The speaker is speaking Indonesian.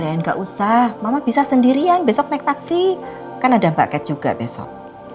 ya ren gak usah mama bisa sendirian besok naik taksi kan ada mbak cat juga besok